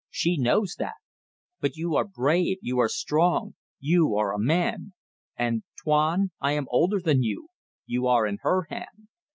She knows that. But you are brave, you are strong you are a man; and, Tuan I am older than you you are in her hand.